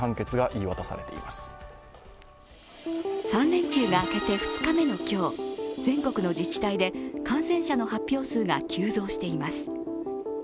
３連休が明けて２日目の今日、全国の自治体で感染者の発表数が急増しています。